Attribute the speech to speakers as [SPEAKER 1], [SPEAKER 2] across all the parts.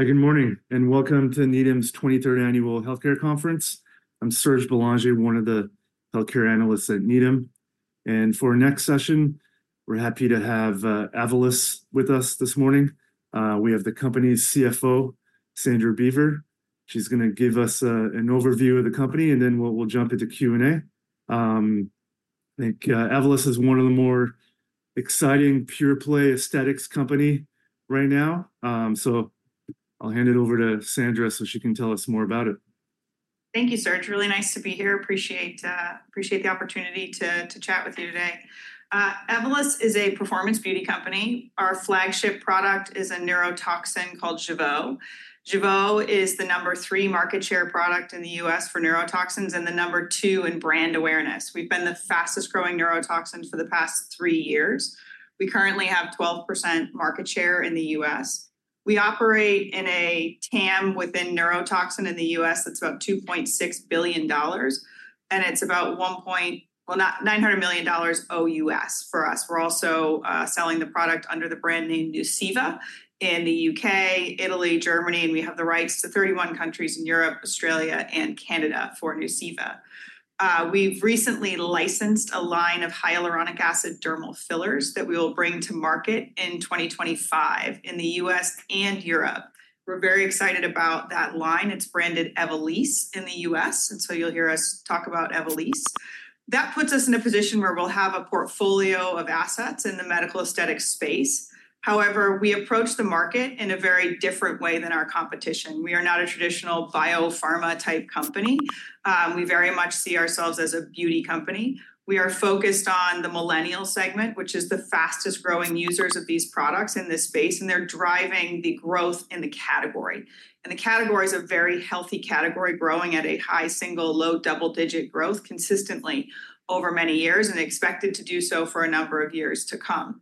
[SPEAKER 1] Good morning, and welcome to Needham's twenty-third Annual Healthcare Conference. I'm Serge Belanger, one of the healthcare analysts at Needham, and for our next session, we're happy to have Evolus with us this morning. We have the company's CFO, Sandra Beaver. She's gonna give us an overview of the company, and then we'll jump into Q&A. I think Evolus is one of the more exciting pure play aesthetics company right now. So I'll hand it over to Sandra, so she can tell us more about it.
[SPEAKER 2] Thank you, Serge. Really nice to be here. Appreciate, appreciate the opportunity to, to chat with you today. Evolus is a performance beauty company. Our flagship product is a neurotoxin called Jeuveau. Jeuveau is the number 3 market share product in the U.S. for neurotoxins and the number 2 in brand awareness. We've been the fastest-growing neurotoxin for the past 3 years. We currently have 12% market share in the U.S. We operate in a TAM within neurotoxin in the U.S., that's about $2.6 billion, and it's about one point... Well, $900 million OUS for us. We're also selling the product under the brand name Nuceiva in the U.K., Italy, Germany, and we have the rights to 31 countries in Europe, Australia, and Canada for Nuceiva. We've recently licensed a line of hyaluronic acid dermal fillers that we will bring to market in 2025 in the U.S. and Europe. We're very excited about that line. It's branded Evolysse in the U.S., and so you'll hear us talk about Evolysse. That puts us in a position where we'll have a portfolio of assets in the medical aesthetics space. However, we approach the market in a very different way than our competition. We are not a traditional biopharma-type company. We very much see ourselves as a beauty company. We are focused on the millennial segment, which is the fastest-growing users of these products in this space, and they're driving the growth in the category. The category is a very healthy category, growing at a high single-digit, low double-digit growth consistently over many years, and expected to do so for a number of years to come,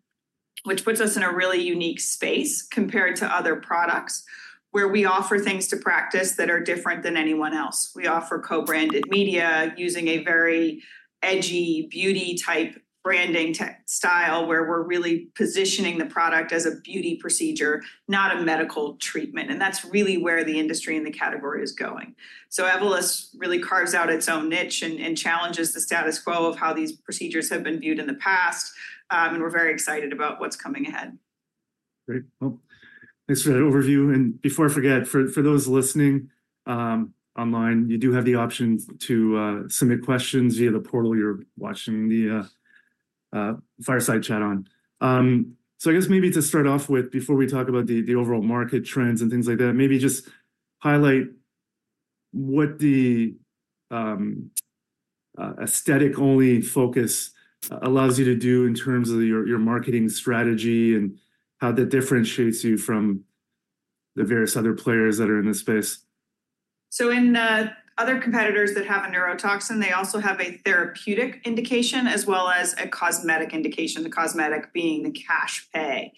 [SPEAKER 2] which puts us in a really unique space compared to other products, where we offer things to practice that are different than anyone else. We offer co-branded media using a very edgy beauty-type branding style, where we're really positioning the product as a beauty procedure, not a medical treatment, and that's really where the industry and the category is going. So Evolus really carves out its own niche and challenges the status quo of how these procedures have been viewed in the past, and we're very excited about what's coming ahead.
[SPEAKER 1] Great. Well, thanks for that overview. And before I forget, for those listening online, you do have the option to submit questions via the portal you're watching the Fireside Chat on. So I guess maybe to start off with, before we talk about the overall market trends and things like that, maybe just highlight what the aesthetic-only focus allows you to do in terms of your marketing strategy and how that differentiates you from the various other players that are in this space.
[SPEAKER 2] So in other competitors that have a neurotoxin, they also have a therapeutic indication as well as a cosmetic indication, the cosmetic being the cash pay.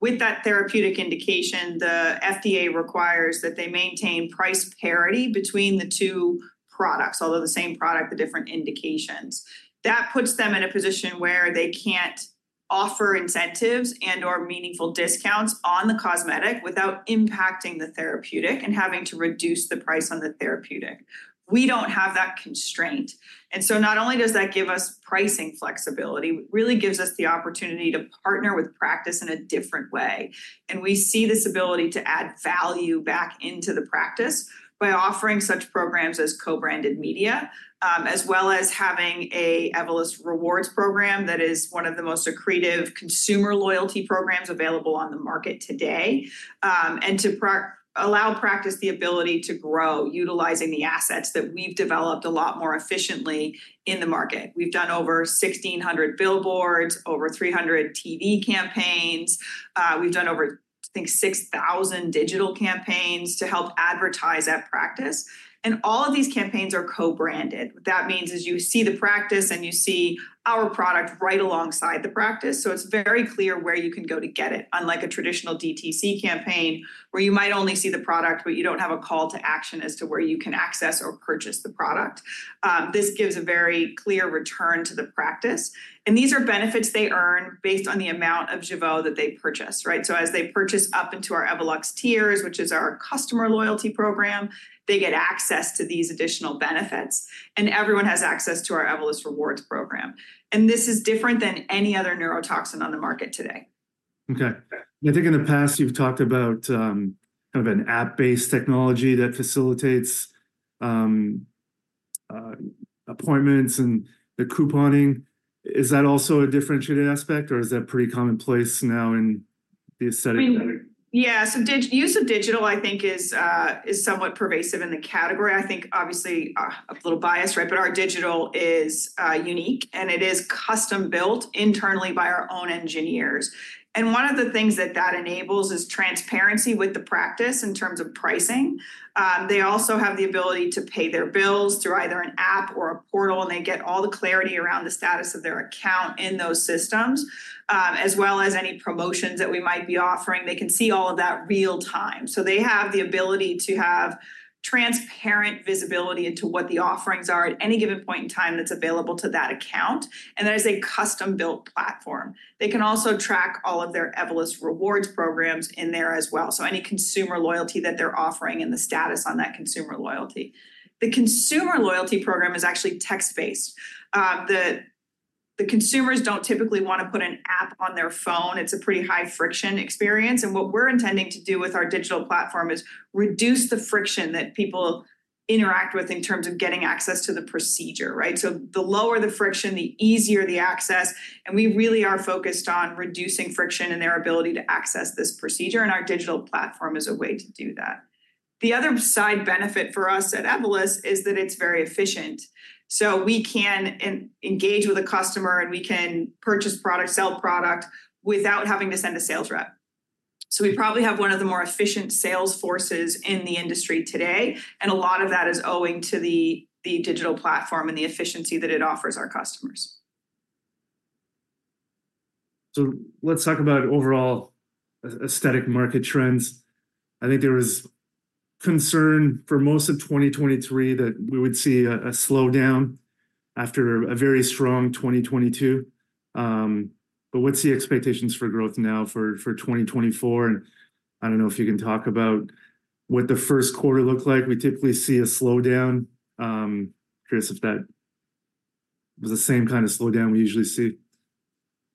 [SPEAKER 2] With that therapeutic indication, the FDA requires that they maintain price parity between the two products, although the same product, the different indications. That puts them in a position where they can't offer incentives and/or meaningful discounts on the cosmetic without impacting the therapeutic and having to reduce the price on the therapeutic. We don't have that constraint, and so not only does that give us pricing flexibility, it really gives us the opportunity to partner with practice in a different way. We see this ability to add value back into the practice by offering such programs as co-branded media, as well as having an Evolus Rewards program that is one of the most accretive consumer loyalty programs available on the market today. And to allow practice the ability to grow, utilizing the assets that we've developed a lot more efficiently in the market. We've done over 1,600 billboards, over 300 TV campaigns. We've done over, I think, 6,000 digital campaigns to help advertise that practice, and all of these campaigns are co-branded. What that means is you see the practice and you see our product right alongside the practice, so it's very clear where you can go to get it, unlike a traditional DTC campaign, where you might only see the product, but you don't have a call to action as to where you can access or purchase the product. This gives a very clear return to the practice, and these are benefits they earn based on the amount of Jeuveau that they purchase, right? So as they purchase up into our Evolus tiers, which is our customer loyalty program, they get access to these additional benefits, and everyone has access to our Evolus Rewards program. And this is different than any other neurotoxin on the market today.
[SPEAKER 1] Okay. I think in the past, you've talked about kind of an app-based technology that facilitates appointments and the couponing. Is that also a differentiated aspect, or is that pretty commonplace now in the aesthetic category?
[SPEAKER 2] I mean, yeah, so use of digital, I think, is somewhat pervasive in the category. I think, obviously, a little biased, right? But our digital is unique, and it is custom-built internally by our own engineers. One of the things that enables is transparency with the practice in terms of pricing. They also have the ability to pay their bills through either an app or a portal, and they get all the clarity around the status of their account in those systems, as well as any promotions that we might be offering. They can see all of that real time. So they have the ability to have transparent visibility into what the offerings are at any given point in time that's available to that account, and that is a custom-built platform. They can also track all of their Evolus Rewards programs in there as well. So any consumer loyalty that they're offering and the status on that consumer loyalty. The consumer loyalty program is actually text-based. The consumers don't typically want to put an app on their phone. It's a pretty high friction experience, and what we're intending to do with our digital platform is reduce the friction that people interact with in terms of getting access to the procedure, right? So the lower the friction, the easier the access, and we really are focused on reducing friction in their ability to access this procedure, and our digital platform is a way to do that. The other side benefit for us at Evolus is that it's very efficient. So we can engage with a customer, and we can purchase product, sell product without having to send a sales rep. We probably have one of the more efficient sales forces in the industry today, and a lot of that is owing to the digital platform and the efficiency that it offers our customers.
[SPEAKER 1] So let's talk about overall aesthetic market trends. I think there was concern for most of 2023 that we would see a slowdown after a very strong 2022. But what's the expectations for growth now for 2024? And I don't know if you can talk about what the first quarter looked like. We typically see a slowdown. Curious if that was the same kind of slowdown we usually see.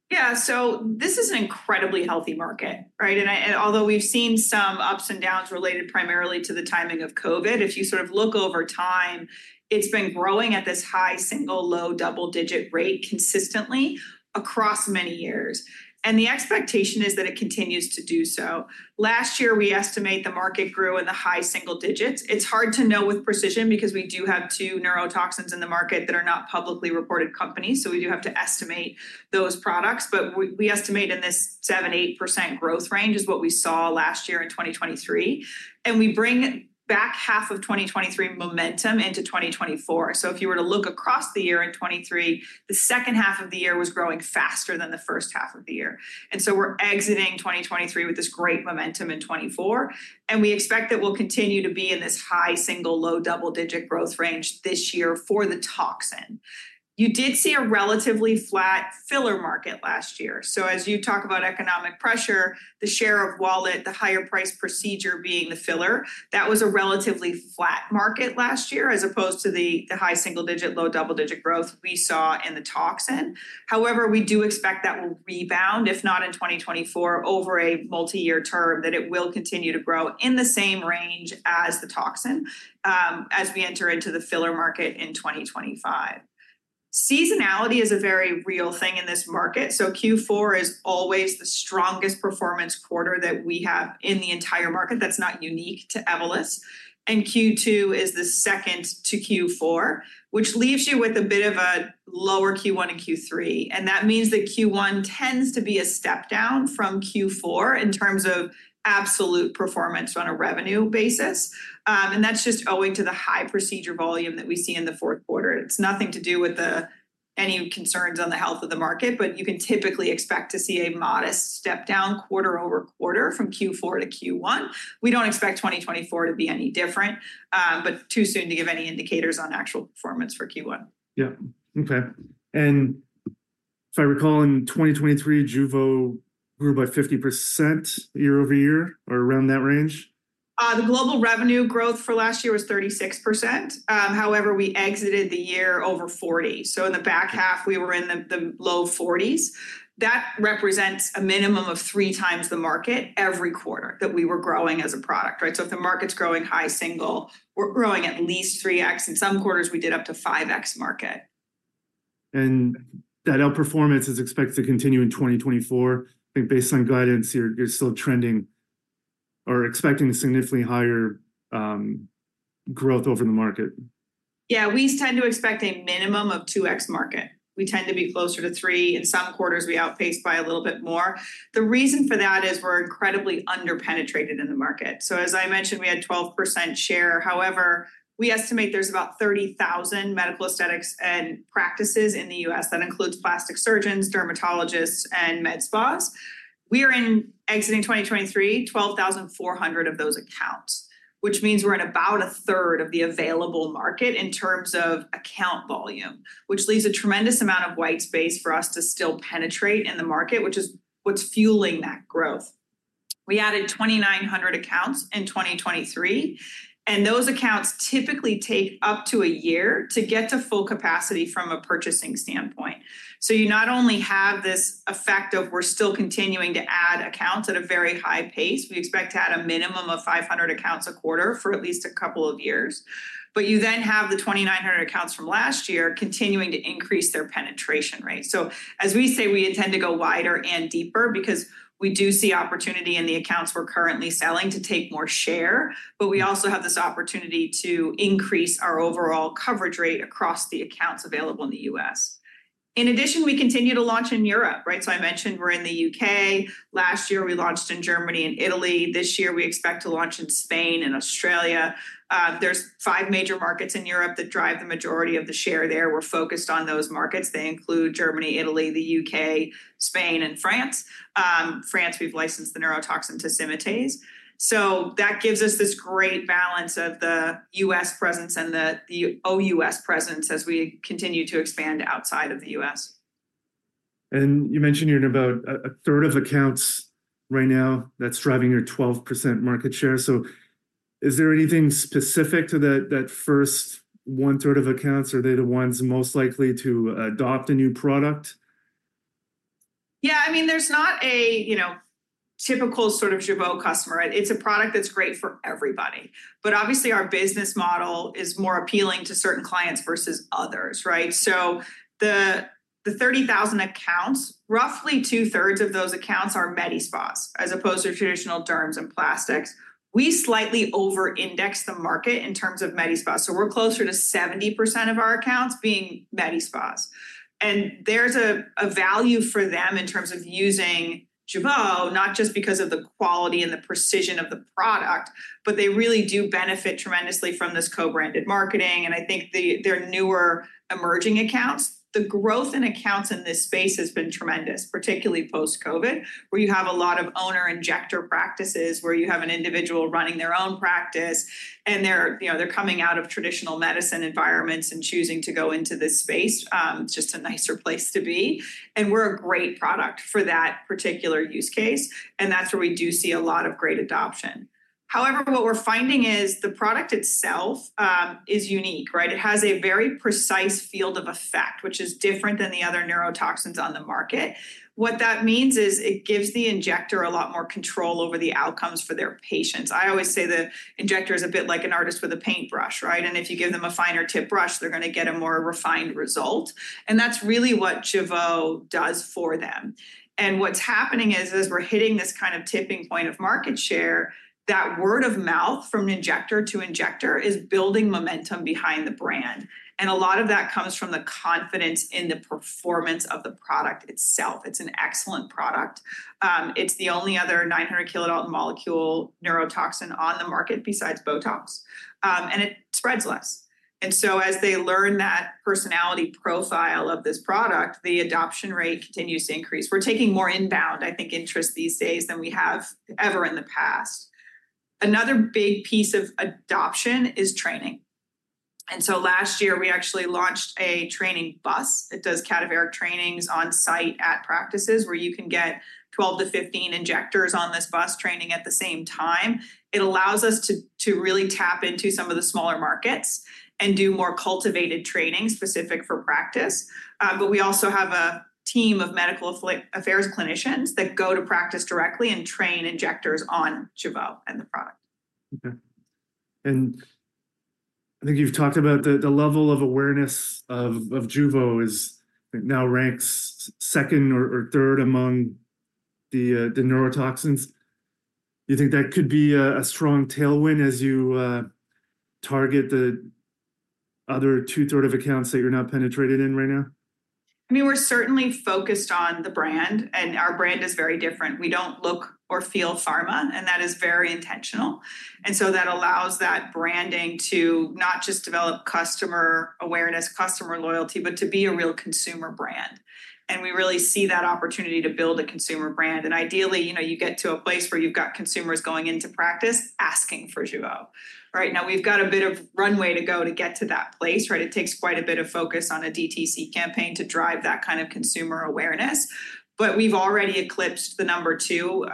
[SPEAKER 2] Yeah. So this is an incredibly healthy market, right? And although we've seen some ups and downs related primarily to the timing of COVID, if you sort of look over time, it's been growing at this high single-, low double-digit rate consistently across many years, and the expectation is that it continues to do so. Last year, we estimate the market grew in the high single digits. It's hard to know with precision because we do have two neurotoxins in the market that are not publicly reported companies, so we do have to estimate those products. But we estimate in this 7%-8% growth range is what we saw last year in 2023, and we bring back half of 2023 momentum into 2024. So if you were to look across the year in 2023, the second half of the year was growing faster than the first half of the year. And so we're exiting 2023 with this great momentum in 2024, and we expect that we'll continue to be in this high single-digit, low double-digit growth range this year for the toxin. You did see a relatively flat filler market last year. So as you talk about economic pressure, the share of wallet, the higher price procedure being the filler, that was a relatively flat market last year, as opposed to the high single-digit, low double-digit growth we saw in the toxin. However, we do expect that will rebound, if not in 2024, over a multi-year term, that it will continue to grow in the same range as the toxin, as we enter into the filler market in 2025. Seasonality is a very real thing in this market. So Q4 is always the strongest performance quarter that we have in the entire market. That's not unique to Evolus. And Q2 is the second to Q4, which leaves you with a bit of a lower Q1 and Q3, and that means that Q1 tends to be a step down from Q4 in terms of absolute performance on a revenue basis. And that's just owing to the high procedure volume that we see in the fourth quarter. It's nothing to do with any concerns on the health of the market, but you can typically expect to see a modest step down quarter-over-quarter from Q4 to Q1. We don't expect 2024 to be any different, but too soon to give any indicators on actual performance for Q1.
[SPEAKER 1] Yeah. Okay. And if I recall, in 2023, Jeuveau grew by 50% year-over-year or around that range?
[SPEAKER 2] The global revenue growth for last year was 36%. However, we exited the year over 40. So in the back half, we were in the low 40s. That represents a minimum of 3x the market every quarter that we were growing as a product, right? So if the market's growing high single, we're growing at least 3x. In some quarters, we did up to 5x market.
[SPEAKER 1] That outperformance is expected to continue in 2024. I think based on guidance, you're still trending or expecting significantly higher growth over the market.
[SPEAKER 2] Yeah, we tend to expect a minimum of 2x market. We tend to be closer to 3. In some quarters, we outpace by a little bit more. The reason for that is we're incredibly underpenetrated in the market. So as I mentioned, we had 12% share. However, we estimate there's about 30,000 medical aesthetics and practices in the U.S. That includes plastic surgeons, dermatologists, and med spas. We are in, exiting 2023, 12,400 of those accounts, which means we're at about a third of the available market in terms of account volume, which leaves a tremendous amount of white space for us to still penetrate in the market, which is what's fueling that growth. We added 2,900 accounts in 2023, and those accounts typically take up to a year to get to full capacity from a purchasing standpoint. So you not only have this effect of we're still continuing to add accounts at a very high pace, we expect to add a minimum of 500 accounts a quarter for at least a couple of years, but you then have the 2,900 accounts from last year continuing to increase their penetration rate. So as we say, we intend to go wider and deeper because we do see opportunity in the accounts we're currently selling to take more share, but we also have this opportunity to increase our overall coverage rate across the accounts available in the U.S. In addition, we continue to launch in Europe, right? So I mentioned we're in the U.K. Last year, we launched in Germany and Italy. This year, we expect to launch in Spain and Australia. There's five major markets in Europe that drive the majority of the share there. We're focused on those markets. They include Germany, Italy, the U.K., Spain, and France. France, we've licensed the neurotoxin to Symatese. So that gives us this great balance of the U.S. presence and the OUS presence as we continue to expand outside of the U.S....
[SPEAKER 1] And you mentioned you're in about a third of accounts right now, that's driving your 12% market share. So is there anything specific to that first one-third of accounts? Are they the ones most likely to adopt a new product?
[SPEAKER 2] Yeah, I mean, there's not a, you know, typical sort of Jeuveau customer. It's a product that's great for everybody. But obviously, our business model is more appealing to certain clients versus others, right? So, the 30,000 accounts, roughly two-thirds of those accounts are med spas, as opposed to traditional derms and plastics. We slightly over-index the market in terms of med spas, so we're closer to 70% of our accounts being med spas. And there's a, a value for them in terms of using Jeuveau, not just because of the quality and the precision of the product, but they really do benefit tremendously from this co-branded marketing, and I think their newer emerging accounts. The growth in accounts in this space has been tremendous, particularly post-COVID, where you have a lot of owner injector practices, where you have an individual running their own practice, and they're, you know, they're coming out of traditional medicine environments and choosing to go into this space. It's just a nicer place to be, and we're a great product for that particular use case, and that's where we do see a lot of great adoption. However, what we're finding is the product itself is unique, right? It has a very precise field of effect, which is different than the other neurotoxins on the market. What that means is it gives the injector a lot more control over the outcomes for their patients. I always say the injector is a bit like an artist with a paintbrush, right? If you give them a finer tip brush, they're gonna get a more refined result. That's really what Jeuveau does for them. What's happening is, as we're hitting this kind of tipping point of market share, that word of mouth from injector to injector is building momentum behind the brand. A lot of that comes from the confidence in the performance of the product itself. It's an excellent product. It's the only other 900 kilodalton molecule neurotoxin on the market besides Botox, and it spreads less. So as they learn that personality profile of this product, the adoption rate continues to increase. We're taking more inbound, I think, interest these days than we have ever in the past. Another big piece of adoption is training. So last year, we actually launched a training bus. It does cadaveric trainings on-site at practices where you can get 12-15 injectors on this bus training at the same time. It allows us to really tap into some of the smaller markets and do more cultivated training specific for practice. But we also have a team of medical affairs clinicians that go to practice directly and train injectors on Jeuveau and the product.
[SPEAKER 1] Okay. And I think you've talked about the level of awareness of Jeuveau is, it now ranks second or third among the neurotoxins. Do you think that could be a strong tailwind as you target the other two-third of accounts that you're not penetrated in right now?
[SPEAKER 2] I mean, we're certainly focused on the brand, and our brand is very different. We don't look or feel pharma, and that is very intentional. And so that allows that branding to not just develop customer awareness, customer loyalty, but to be a real consumer brand. And we really see that opportunity to build a consumer brand. And ideally, you know, you get to a place where you've got consumers going into practice asking for Jeuveau. Right now, we've got a bit of runway to go to get to that place, right? It takes quite a bit of focus on a DTC campaign to drive that kind of consumer awareness, but we've already eclipsed the number two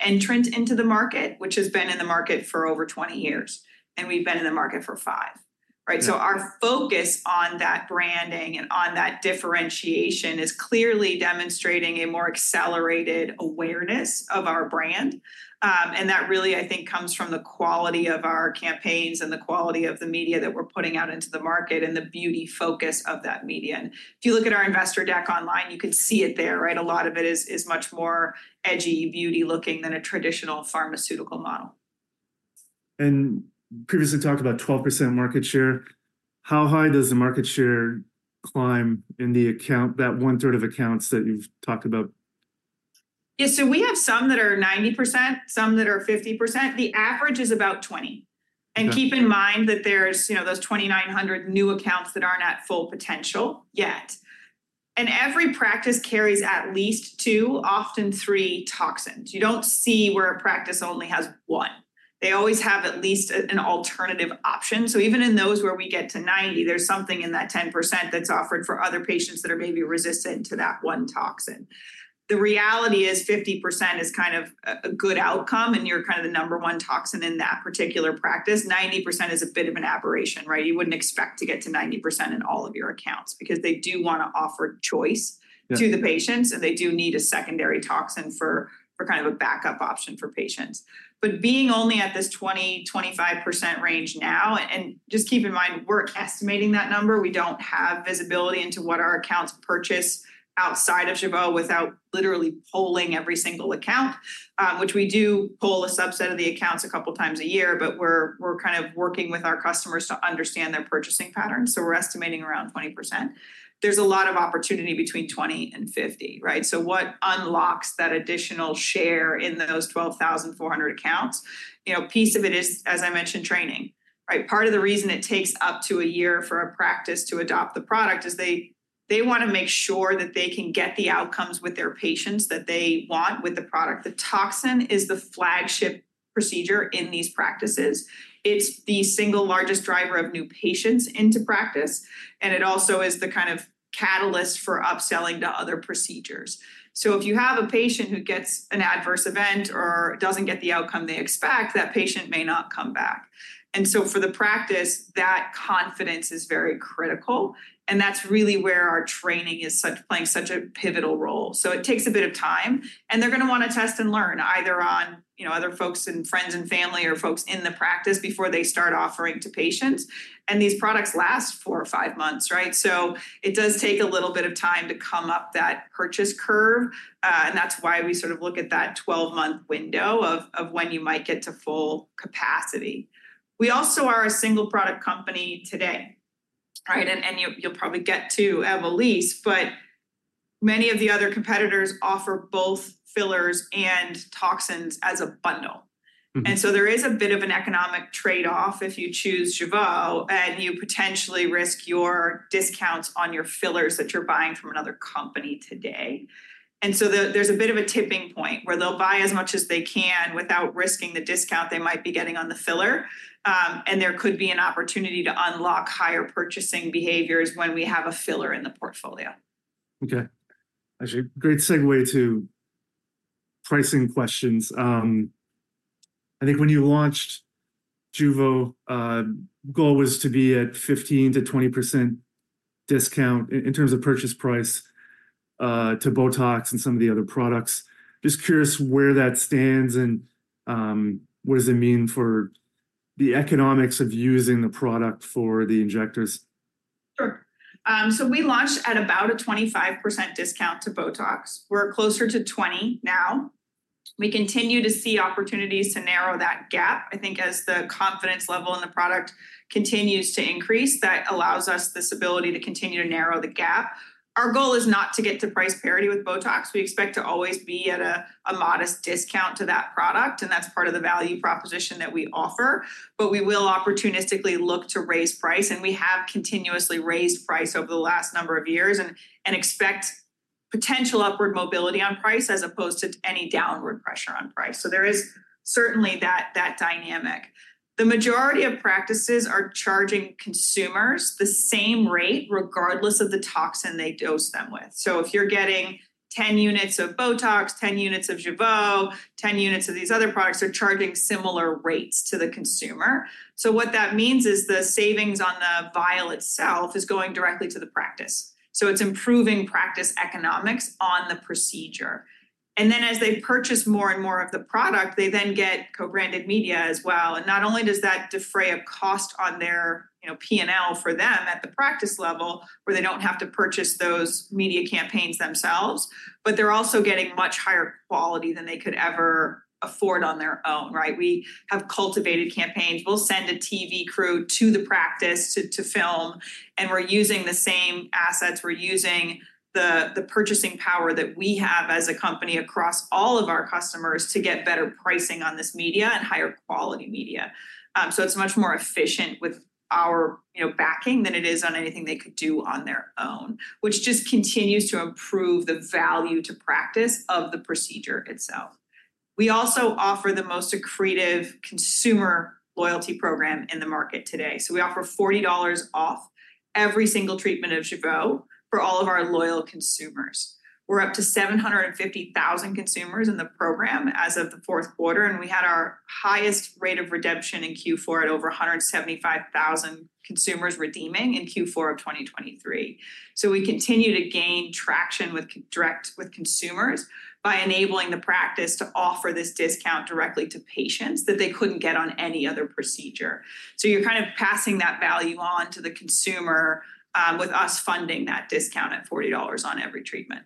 [SPEAKER 2] entrant into the market, which has been in the market for over 20 years, and we've been in the market for 5, right?
[SPEAKER 1] Yeah.
[SPEAKER 2] So our focus on that branding and on that differentiation is clearly demonstrating a more accelerated awareness of our brand. And that really, I think, comes from the quality of our campaigns and the quality of the media that we're putting out into the market and the beauty focus of that media. And if you look at our investor deck online, you can see it there, right? A lot of it is much more edgy, beauty-looking than a traditional pharmaceutical model.
[SPEAKER 1] Previously talked about 12% market share. How high does the market share climb in the account, that one-third of accounts that you've talked about?
[SPEAKER 2] Yeah, so we have some that are 90%, some that are 50%. The average is about 20.
[SPEAKER 1] Okay.
[SPEAKER 2] Keep in mind that there's, you know, those 2,900 new accounts that aren't at full potential... yet. Every practice carries at least 2, often 3 toxins. You don't see where a practice only has one. They always have at least an alternative option. So even in those where we get to 90, there's something in that 10% that's offered for other patients that are maybe resistant to that one toxin. The reality is 50% is kind of a, a good outcome, and you're kind of the number one toxin in that particular practice. 90% is a bit of an aberration, right? You wouldn't expect to get to 90% in all of your accounts because they do want to offer choice-
[SPEAKER 1] Yeah...
[SPEAKER 2] to the patients, and they do need a secondary toxin for kind of a backup option for patients. But being only at this 20%-25% range now, and just keep in mind, we're estimating that number. We don't have visibility into what our accounts purchase outside of Jeuveau without literally polling every single account, which we do poll a subset of the accounts a couple times a year, but we're kind of working with our customers to understand their purchasing patterns, so we're estimating around 20%. There's a lot of opportunity between 20% and 50%, right? So what unlocks that additional share in those 12,400 accounts? You know, piece of it is, as I mentioned, training, right? Part of the reason it takes up to a year for a practice to adopt the product is they want to make sure that they can get the outcomes with their patients that they want with the product. The toxin is the flagship procedure in these practices. It's the single largest driver of new patients into practice, and it also is the kind of catalyst for upselling to other procedures. So if you have a patient who gets an adverse event or doesn't get the outcome they expect, that patient may not come back. And so for the practice, that confidence is very critical, and that's really where our training is playing such a pivotal role. So it takes a bit of time, and they're going to want to test and learn either on, you know, other folks and friends and family or folks in the practice before they start offering to patients. And these products last four or five months, right? So it does take a little bit of time to come up that purchase curve, and that's why we sort of look at that twelve-month window of when you might get to full capacity. We also are a single product company today, right? And you, you'll probably get to Evolus, but many of the other competitors offer both fillers and toxins as a bundle.
[SPEAKER 1] Mm-hmm.
[SPEAKER 2] There is a bit of an economic trade-off if you choose Jeuveau and you potentially risk your discounts on your fillers that you're buying from another company today. There is a bit of a tipping point where they'll buy as much as they can without risking the discount they might be getting on the filler, and there could be an opportunity to unlock higher purchasing behaviors when we have a filler in the portfolio.
[SPEAKER 1] Okay. Actually, great segue to pricing questions. I think when you launched Jeuveau, goal was to be at 15%-20% discount in, in terms of purchase price, to Botox and some of the other products. Just curious where that stands and what does it mean for the economics of using the product for the injectors?
[SPEAKER 2] Sure. So we launched at about a 25% discount to Botox. We're closer to 20% now. We continue to see opportunities to narrow that gap. I think as the confidence level in the product continues to increase, that allows us this ability to continue to narrow the gap. Our goal is not to get to price parity with Botox. We expect to always be at a, a modest discount to that product, and that's part of the value proposition that we offer. But we will opportunistically look to raise price, and we have continuously raised price over the last number of years and, and expect potential upward mobility on price as opposed to any downward pressure on price. So there is certainly that, that dynamic. The majority of practices are charging consumers the same rate, regardless of the toxin they dose them with. If you're getting 10 units of Botox, 10 units of Jeuveau, 10 units of these other products, they're charging similar rates to the consumer. What that means is the savings on the vial itself is going directly to the practice. It's improving practice economics on the procedure. Then, as they purchase more and more of the product, they then get co-branded media as well. Not only does that defray a cost on their, you know, P&L for them at the practice level, where they don't have to purchase those media campaigns themselves, but they're also getting much higher quality than they could ever afford on their own, right? We have cultivated campaigns. We'll send a TV crew to the practice to film, and we're using the same assets. We're using the purchasing power that we have as a company across all of our customers to get better pricing on this media and higher quality media. So it's much more efficient with our, you know, backing than it is on anything they could do on their own, which just continues to improve the value to practice of the procedure itself. We also offer the most accretive consumer loyalty program in the market today. So we offer $40 off every single treatment of Jeuveau for all of our loyal consumers. We're up to 750,000 consumers in the program as of the fourth quarter, and we had our highest rate of redemption in Q4 at over 175,000 consumers redeeming in Q4 of 2023. So we continue to gain traction with direct with consumers by enabling the practice to offer this discount directly to patients that they couldn't get on any other procedure. So you're kind of passing that value on to the consumer with us funding that discount at $40 on every treatment.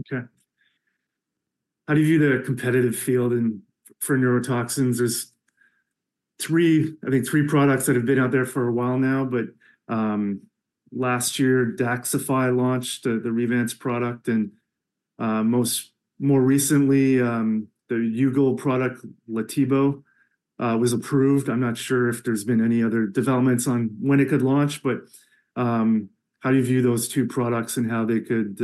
[SPEAKER 1] Okay. How do you view the competitive field in for neurotoxins? There's three, I think, three products that have been out there for a while now, but last year, Daxxify launched the, the Revance product, and most, more recently, the Hugel product, Letybo, was approved. I'm not sure if there's been any other developments on when it could launch, but how do you view those two products and how they could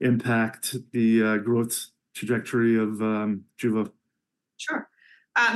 [SPEAKER 1] impact the growth trajectory of Jeuveau?
[SPEAKER 2] Sure.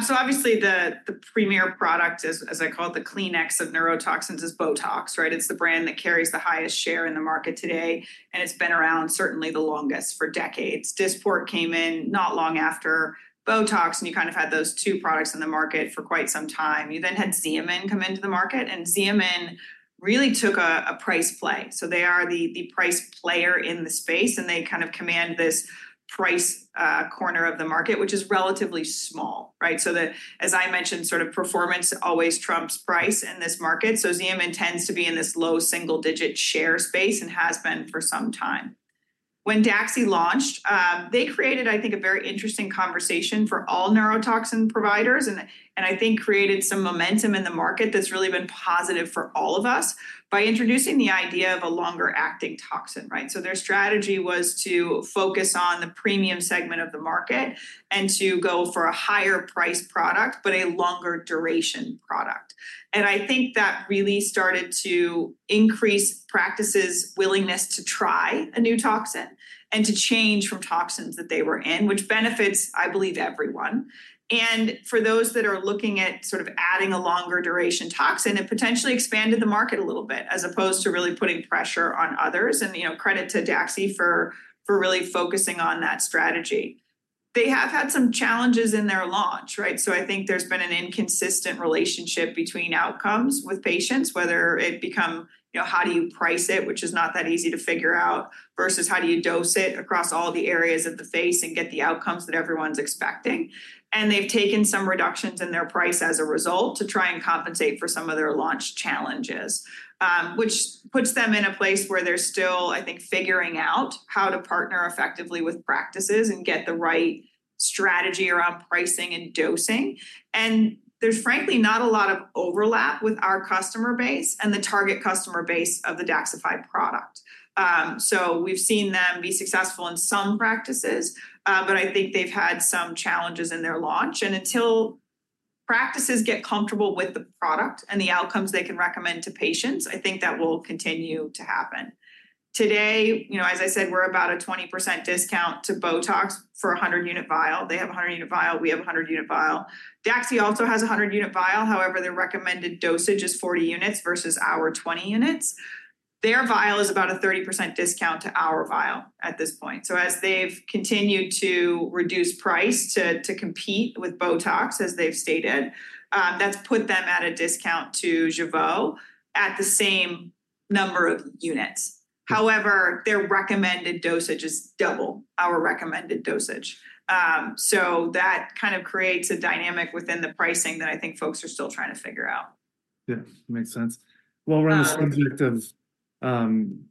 [SPEAKER 2] So obviously the premier product as I call it, the Kleenex of neurotoxins is Botox, right? It's the brand that carries the highest share in the market today, and it's been around certainly the longest, for decades. Dysport came in not long after Botox, and you kind of had those two products in the market for quite some time. You then had Xeomin come into the market, and Xeomin really took a price play. So they are the price player in the space, and they kind of command this price corner of the market, which is relatively small, right? So as I mentioned, sort of performance always trumps price in this market. So Xeomin tends to be in this low double-digit share space and has been for some time. When Daxxify launched, they created, I think, a very interesting conversation for all neurotoxin providers and I think created some momentum in the market that's really been positive for all of us by introducing the idea of a longer-acting toxin, right? Their strategy was to focus on the premium segment of the market and to go for a higher price product, but a longer duration product. I think that really started to increase practices' willingness to try a new toxin and to change from toxins that they were in, which benefits, I believe, everyone. For those that are looking at sort of adding a longer duration toxin, it potentially expanded the market a little bit, as opposed to really putting pressure on others, and, you know, credit to Daxxify for really focusing on that strategy. They have had some challenges in their launch, right? So I think there's been an inconsistent relationship between outcomes with patients, whether it become, you know, how do you price it, which is not that easy to figure out, versus how do you dose it across all the areas of the face and get the outcomes that everyone's expecting. And they've taken some reductions in their price as a result to try and compensate for some of their launch challenges, which puts them in a place where they're still, I think, figuring out how to partner effectively with practices and get the right strategy around pricing and dosing. And there's frankly not a lot of overlap with our customer base and the target customer base of the Daxxify product. So we've seen them be successful in some practices, but I think they've had some challenges in their launch. Until practices get comfortable with the product and the outcomes they can recommend to patients, I think that will continue to happen. Today, you know, as I said, we're about a 20% discount to Botox for a 100-unit vial. They have a 100-unit vial, we have a 100-unit vial. Daxxify also has a 100-unit vial. However, their recommended dosage is 40 units versus our 20 units. Their vial is about a 30% discount to our vial at this point. So as they've continued to reduce price to compete with Botox, as they've stated, that's put them at a discount to Jeuveau at the same number of units. However, their recommended dosage is double our recommended dosage. So that kind of creates a dynamic within the pricing that I think folks are still trying to figure out.
[SPEAKER 1] Yeah, makes sense. While we're on the-
[SPEAKER 2] Um-
[SPEAKER 1] subject of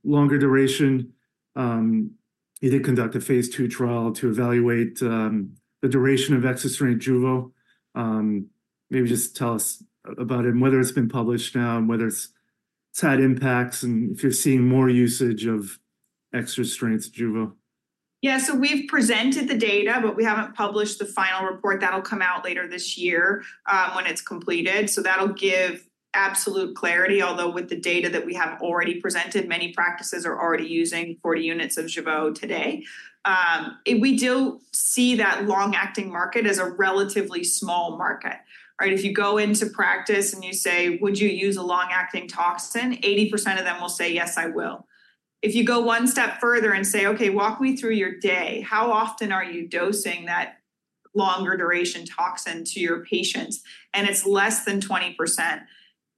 [SPEAKER 1] longer duration, you did conduct a Phase II trial to evaluate the duration of extra strength Jeuveau. Maybe just tell us about it, and whether it's been published now, and whether its side effects, and if you're seeing more usage of extra strength Jeuveau.
[SPEAKER 2] Yeah, so we've presented the data, but we haven't published the final report. That'll come out later this year, when it's completed. So that'll give absolute clarity, although with the data that we have already presented, many practices are already using 40 units of Jeuveau today. We do see that long-acting market as a relatively small market, right? If you go into practice and you say, "Would you use a long-acting toxin?" 80% of them will say, "Yes, I will." If you go one step further and say, "Okay, walk me through your day. How often are you dosing that longer duration toxin to your patients?" And it's less than 20%.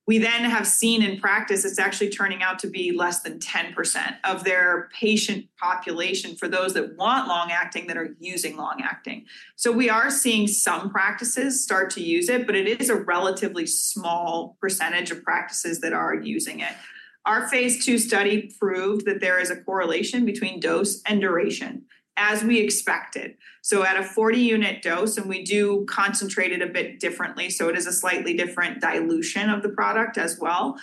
[SPEAKER 2] We then have seen in practice, it's actually turning out to be less than 10% of their patient population for those that want long-acting, that are using long-acting. So we are seeing some practices start to use it, but it is a relatively small percentage of practices that are using it. Our Phase II study proved that there is a correlation between dose and duration, as we expected. So at a 40-unit dose, and we do concentrate it a bit differently, so it is a slightly different dilution of the product as well,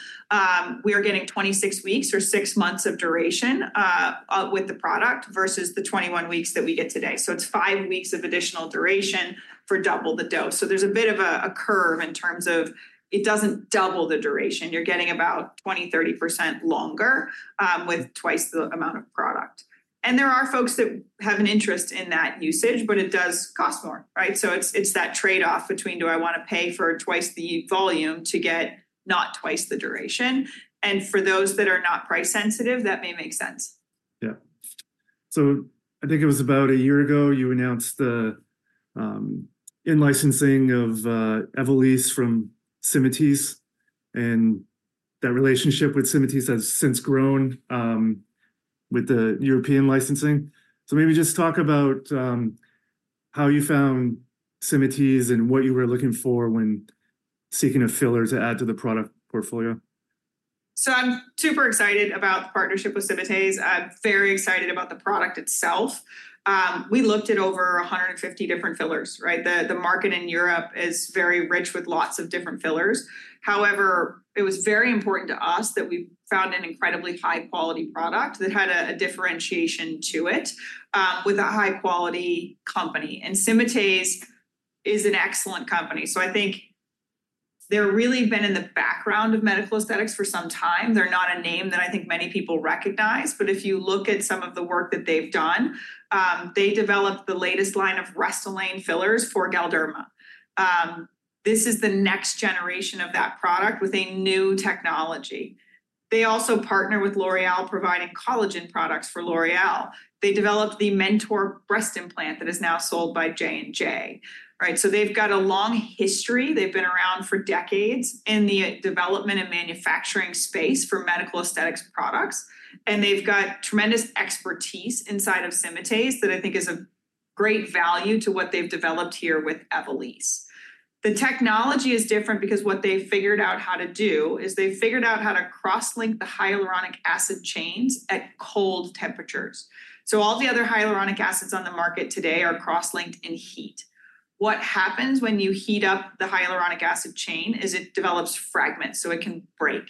[SPEAKER 2] we are getting 26 weeks or six months of duration with the product versus the 21 weeks that we get today. So it's five weeks of additional duration for double the dose. So there's a bit of a curve in terms of it doesn't double the duration. You're getting about 20-30% longer with twice the amount of product. And there are folks that have an interest in that usage, but it does cost more, right? So it's that trade-off between, do I wanna pay for twice the volume to get not twice the duration? And for those that are not price sensitive, that may make sense.
[SPEAKER 1] Yeah. So I think it was about a year ago, you announced the in-licensing of Evolysse from Symatese, and that relationship with Symatese has since grown with the European licensing. So maybe just talk about how you found Symatese and what you were looking for when seeking a filler to add to the product portfolio.
[SPEAKER 2] I'm super excited about the partnership with Symatese. I'm very excited about the product itself. We looked at over 150 different fillers, right? The market in Europe is very rich with lots of different fillers. However, it was very important to us that we found an incredibly high-quality product that had a differentiation to it, with a high-quality company. And Symatese is an excellent company, so I think they're really been in the background of medical aesthetics for some time. They're not a name that I think many people recognize, but if you look at some of the work that they've done, they developed the latest line of Restylane fillers for Galderma. This is the next generation of that product with a new technology. They also partner with L'Oréal, providing collagen products for L'Oréal. They developed the Mentor breast implant that is now sold by J&J. Right? So they've got a long history. They've been around for decades in the development and manufacturing space for medical aesthetics products, and they've got tremendous expertise inside of Symatese that I think is a great value to what they've developed here with Evolysse. The technology is different because what they've figured out how to do is they've figured out how to cross-link the hyaluronic acid chains at cold temperatures. So all the other hyaluronic acids on the market today are cross-linked in heat. What happens when you heat up the hyaluronic acid chain is it develops fragments, so it can break.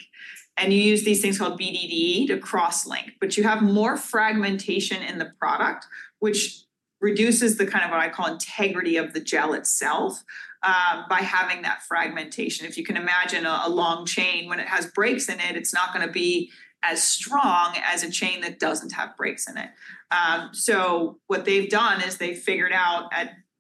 [SPEAKER 2] And you use these things called BDDE to cross-link, but you have more fragmentation in the product, which reduces the kind of what I call integrity of the gel itself by having that fragmentation. If you can imagine a long chain, when it has breaks in it, it's not gonna be as strong as a chain that doesn't have breaks in it. So what they've done is they've figured out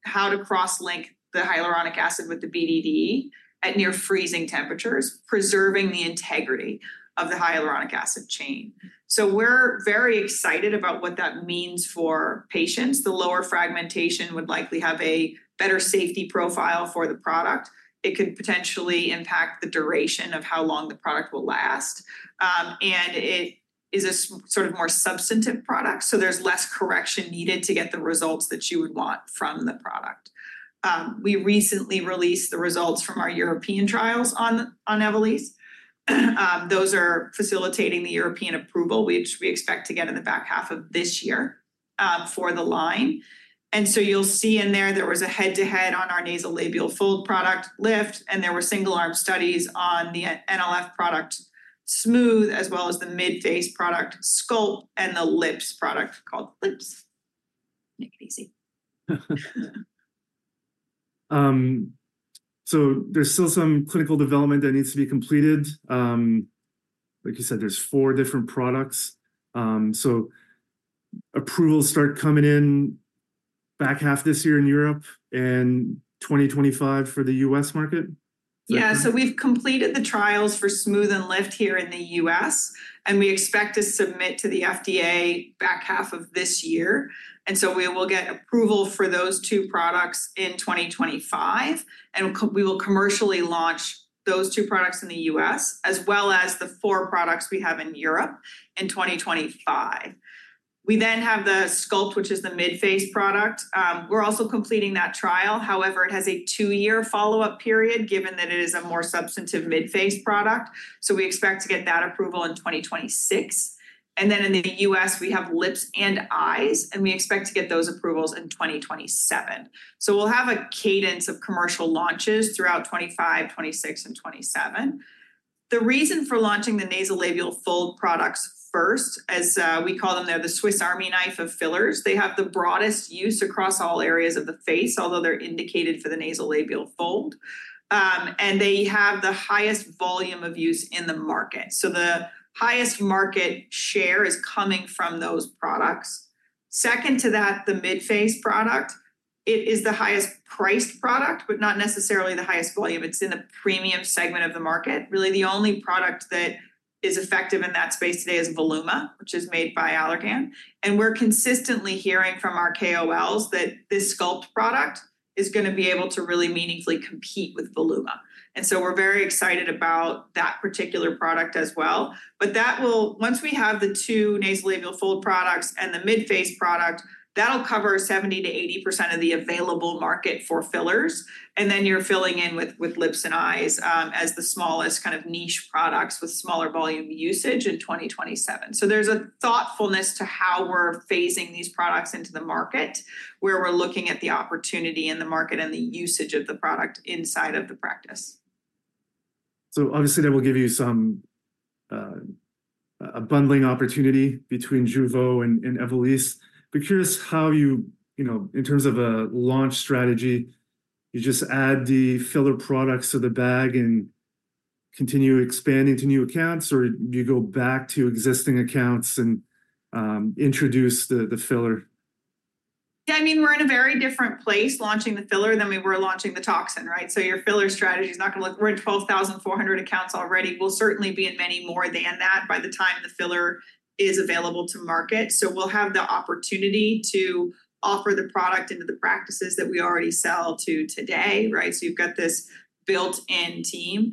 [SPEAKER 2] how to cross-link the hyaluronic acid with the BDDE at near freezing temperatures, preserving the integrity of the hyaluronic acid chain. So we're very excited about what that means for patients. The lower fragmentation would likely have a better safety profile for the product. It could potentially impact the duration of how long the product will last. And it is a sort of more substantive product, so there's less correction needed to get the results that you would want from the product. We recently released the results from our European trials on Evolysse. Those are facilitating the European approval, which we expect to get in the back half of this year, for the line. And so you'll see in there, there was a head-to-head on our nasolabial fold product Lift, and there were single-arm studies on the NLF product, Smooth, as well as the midface product, Sculpt, and the lips product called Lips. Make it easy.
[SPEAKER 1] There's still some clinical development that needs to be completed. Like you said, there's four different products. Approvals start coming in back half this year in Europe and 2025 for the U.S. market?
[SPEAKER 2] Yeah. So we've completed the trials for Smooth and Lift here in the U.S., and we expect to submit to the FDA back half of this year. And so we will get approval for those two products in 2025, and we will commercially launch those two products in the U.S., as well as the four products we have in Europe in 2025. We then have the Sculpt, which is the midface product. We're also completing that trial. However, it has a two-year follow-up period, given that it is a more substantive midface product. So we expect to get that approval in 2026. And then in the U.S., we have Lips and Eyes, and we expect to get those approvals in 2027. So we'll have a cadence of commercial launches throughout 2025, 2026, and 2027. The reason for launching the nasolabial fold products first, as we call them, they're the Swiss Army knife of fillers. They have the broadest use across all areas of the face, although they're indicated for the nasolabial fold. And they have the highest volume of use in the market. So the highest market share is coming from those products. Second to that, the midface product, it is the highest priced product, but not necessarily the highest volume. It's in the premium segment of the market. Really, the only product that is effective in that space today is Voluma, which is made by Allergan. And we're consistently hearing from our KOLs that this Sculpt product is going to be able to really meaningfully compete with Voluma. And so we're very excited about that particular product as well. But that will, once we have the two nasolabial fold products and the midface product, that'll cover 70%-80% of the available market for fillers, and then you're filling in with Lips and Eyes as the smallest kind of niche products with smaller volume usage in 2027. So there's a thoughtfulness to how we're phasing these products into the market, where we're looking at the opportunity in the market and the usage of the product inside of the practice.
[SPEAKER 1] So obviously, that will give you some a bundling opportunity between Jeuveau and Evolysse. But curious how you, you know, in terms of a launch strategy, you just add the filler products to the bag and continue expanding to new accounts, or do you go back to existing accounts and introduce the filler?
[SPEAKER 2] Yeah, I mean, we're in a very different place launching the filler than we were launching the toxin, right? So your filler strategy is not going to look, we're in 12,400 accounts already. We'll certainly be in many more than that by the time the filler is available to market. So we'll have the opportunity to offer the product into the practices that we already sell to today, right? So you've got this built-in team.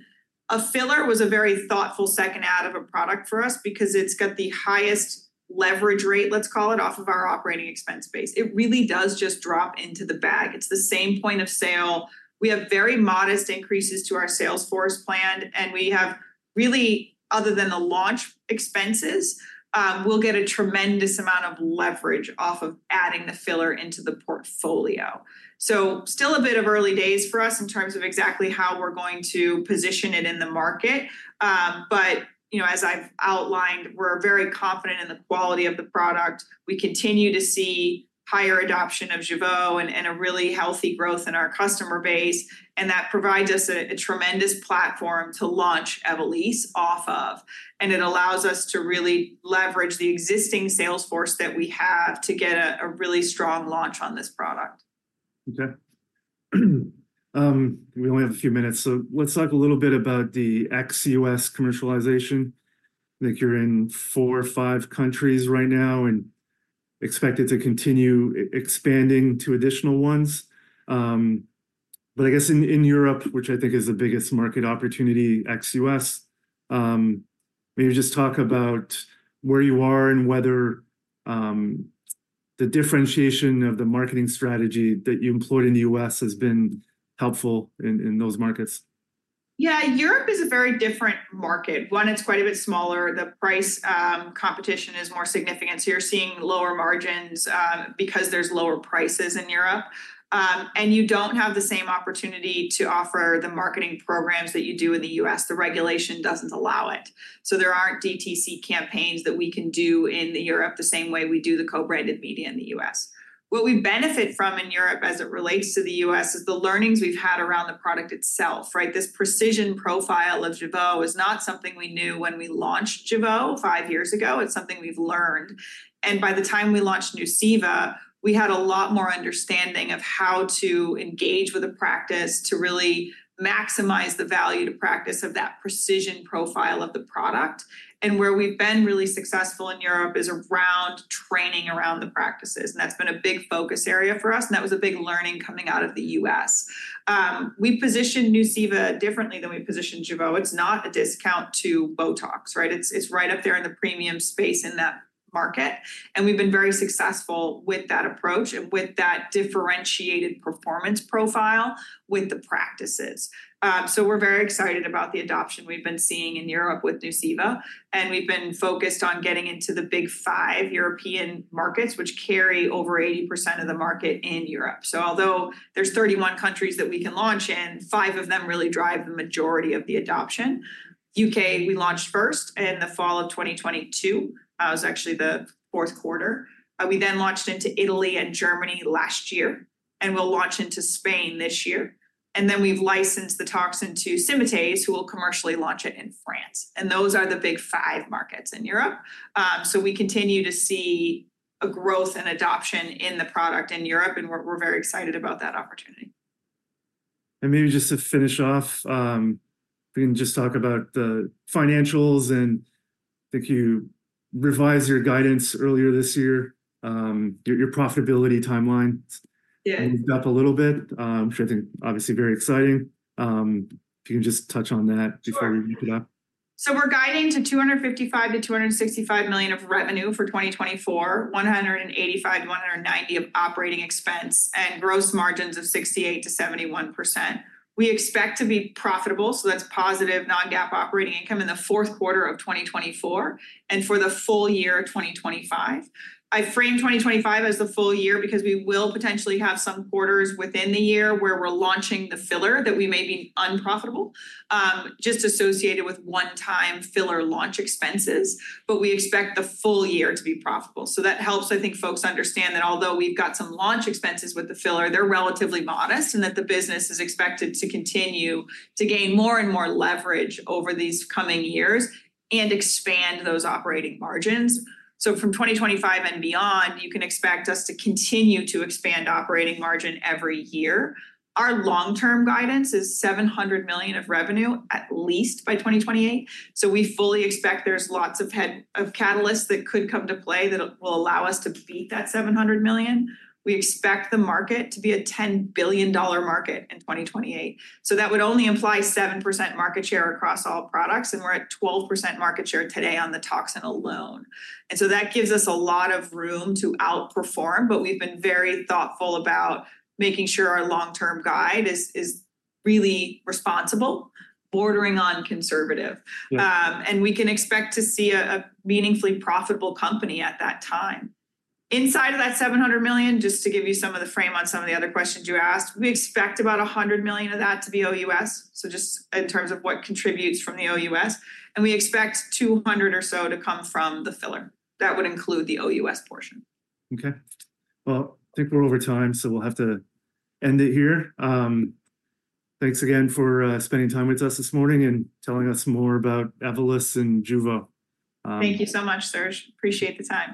[SPEAKER 2] A filler was a very thoughtful second add of a product for us because it's got the highest leverage rate, let's call it, off of our operating expense base. It really does just drop into the bag. It's the same point of sale. We have very modest increases to our sales force planned, and we have really, other than the launch expenses, we'll get a tremendous amount of leverage off of adding the filler into the portfolio. So still a bit of early days for us in terms of exactly how we're going to position it in the market. But, you know, as I've outlined, we're very confident in the quality of the product. We continue to see higher adoption of Jeuveau and, and a really healthy growth in our customer base, and that provides us a, a tremendous platform to launch Evolysse off of, and it allows us to really leverage the existing sales force that we have to get a, a really strong launch on this product.
[SPEAKER 1] Okay. We only have a few minutes, so let's talk a little bit about the ex-U.S. commercialization. I think you're in four or five countries right now and expected to continue expanding to additional ones. But I guess in Europe, which I think is the biggest market opportunity, ex-U.S., maybe just talk about where you are and whether the differentiation of the marketing strategy that you employed in the U.S. has been helpful in those markets.
[SPEAKER 2] Yeah, Europe is a very different market. One, it's quite a bit smaller. The price, competition is more significant, so you're seeing lower margins, because there's lower prices in Europe. And you don't have the same opportunity to offer the marketing programs that you do in the U.S. The regulation doesn't allow it. So there aren't DTC campaigns that we can do in Europe the same way we do the co-branded media in the U.S. What we benefit from in Europe as it relates to the U.S., is the learnings we've had around the product itself, right? This precision profile of Jeuveau is not something we knew when we launched Jeuveau five years ago. It's something we've learned. By the time we launched Nuceiva, we had a lot more understanding of how to engage with a practice to really maximize the value to practice of that precision profile of the product. Where we've been really successful in Europe is around training around the practices. That's been a big focus area for us, and that was a big learning coming out of the U.S. We position Nuceiva differently than we position Jeuveau. It's not a discount to Botox, right? It's right up there in the premium space in that market, and we've been very successful with that approach and with that differentiated performance profile with the practices. So we're very excited about the adoption we've been seeing in Europe with Nuceiva, and we've been focused on getting into the big five European markets, which carry over 80% of the market in Europe. So although there's 31 countries that we can launch in, five of them really drive the majority of the adoption. U.K., we launched first in the fall of 2022, was actually the fourth quarter. We then launched into Italy and Germany last year, and we'll launch into Spain this year. And then we've licensed the toxin to Symatese, who will commercially launch it in France, and those are the big five markets in Europe. So we continue to see a growth and adoption in the product in Europe, and we're very excited about that opportunity.
[SPEAKER 1] Maybe just to finish off, we can just talk about the financials, and I think you revised your guidance earlier this year. Your profitability timeline-
[SPEAKER 2] Yeah
[SPEAKER 1] Moved up a little bit, which I think, obviously very exciting. If you can just touch on that-
[SPEAKER 2] Sure.
[SPEAKER 1] Before we wrap it up.
[SPEAKER 2] So we're guiding to $255 million-$265 million of revenue for 2024, $185 million-$190 million of operating expense and gross margins of 68%-71%. We expect to be profitable, so that's positive non-GAAP operating income in the fourth quarter of 2024 and for the full year of 2025. I frame 2025 as the full year because we will potentially have some quarters within the year where we're launching the filler, that we may be unprofitable, just associated with one-time filler launch expenses. But we expect the full year to be profitable. So that helps, I think, folks understand that although we've got some launch expenses with the filler, they're relatively modest, and that the business is expected to continue to gain more and more leverage over these coming years and expand those operating margins. So from 2025 and beyond, you can expect us to continue to expand operating margin every year. Our long-term guidance is $700 million of revenue, at least by 2028. So we fully expect there's lots of head, of catalysts that could come to play that will allow us to beat that $700 million. We expect the market to be a $10 billion market in 2028. So that would only imply 7% market share across all products, and we're at 12% market share today on the toxin alone. So that gives us a lot of room to outperform, but we've been very thoughtful about making sure our long-term guide is really responsible, bordering on conservative.
[SPEAKER 1] Yeah.
[SPEAKER 2] We can expect to see a meaningfully profitable company at that time. Inside of that $700 million, just to give you some of the frame on some of the other questions you asked, we expect about $100 million of that to be OUS, so just in terms of what contributes from the OUS, and we expect $200 or so to come from the filler. That would include the OUS portion.
[SPEAKER 1] Okay. Well, I think we're over time, so we'll have to end it here. Thanks again for spending time with us this morning and telling us more about Evolus and Jeuveau.
[SPEAKER 2] Thank you so much, Serge. Appreciate the time.